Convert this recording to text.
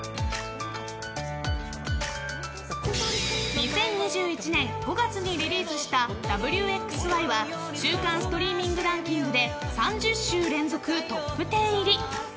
２０２１年５月にリリースした「Ｗ／Ｘ／Ｙ」は週間ストリーミングランキングで３０週連続トップ１０入り！